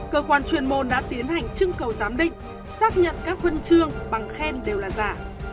cơ quan chuyên môn đã tiến hành trưng cầu giám định xác nhận các huân chương bằng khen đều là giả